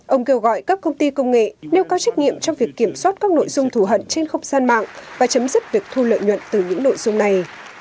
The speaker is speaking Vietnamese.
ông kêu gọi các công ty công nghệ nêu cao trách nhiệm trong việc kiểm soát các nội dung thù hận trên không gian mạng và chấm dứt việc thu lợi nhuận từ những nội dung này